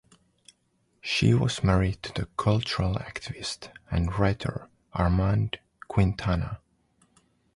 She was married to the cultural activist and writer Armand Quintana.